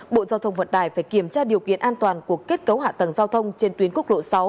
bộ giao thông vận tải phải kiểm tra điều kiện an toàn của kết cấu hạ tầng giao thông trên tuyến quốc lộ sáu